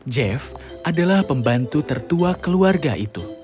jeff adalah pembantu tertua keluarga itu